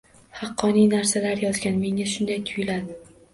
Haqqoniy narsalar yozgan, menga shunday tuyuladi